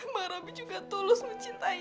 bang robi juga tulus mencintai rum